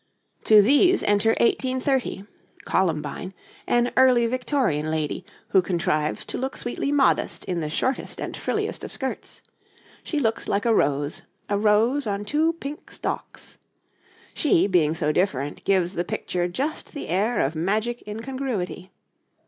To these enter 1830 Columbine an early Victorian lady, who contrives to look sweetly modest in the shortest and frilliest of skirts; she looks like a rose, a rose on two pink stalks. She, being so different, gives the picture just the air of magic incongruity.